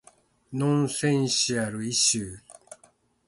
Nonsensical issues.